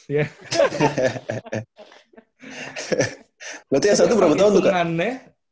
berarti s satu berapa tahun tuh kak